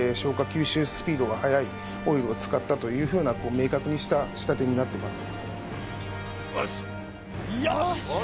吸収スピードが速いオイルを使ったというふうな明確にした仕立てになってます